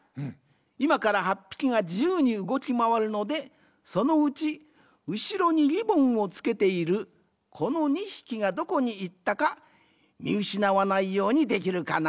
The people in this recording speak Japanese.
いまから８ぴきがじゆうにうごきまわるのでそのうちうしろにリボンをつけているこの２ひきがどこにいったかみうしなわないようにできるかな？